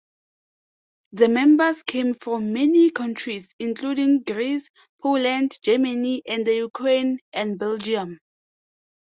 The members came from many countries, including Greece, Poland, Germany, the Ukraine and Belgium.